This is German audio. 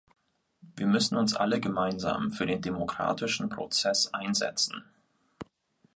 Wir müssen uns alle gemeinsam für den demokratischen Prozess einsetzen.